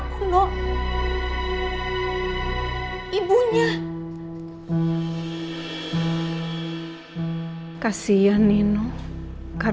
keisha belum ngerasain dirawat sama apa